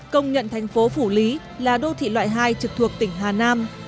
công nhận thành phố phủ lý là đô thị loại hai trực thuộc tỉnh hà nam